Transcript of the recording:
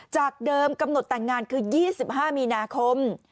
จากเดิมกำหนดแต่งงานคือ๒๕มีนาคม